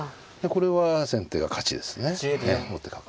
これは先手が勝ちですね。